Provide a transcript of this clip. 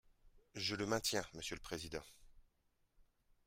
Je le maintiens, monsieur le président.